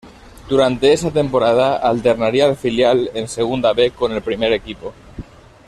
Durante esa temporada alternaría el filial en Segunda B con el primer equipo.